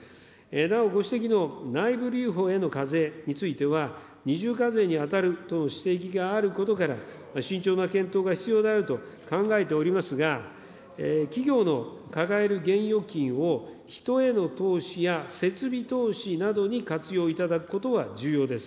なお、ご指摘の内部留保への課税については、二重課税に当たるとの指摘があることから、慎重な検討が必要であると考えておりますが、企業の抱える現預金を人への投資や、設備投資などに活用いただくことは重要です。